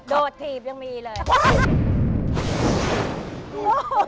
โดดถีบยังมีเลย